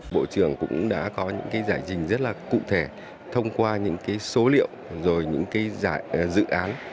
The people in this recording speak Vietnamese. bộ trưởng cũng đã có những giải trình rất là cụ thể thông qua những số liệu rồi những cái dự án